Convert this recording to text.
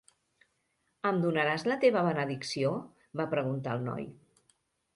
"Em donaràs la teva benedicció?", va preguntar el noi.